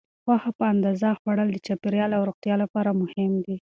غوښه په اندازه خوړل د چاپیریال او روغتیا لپاره مهم دي.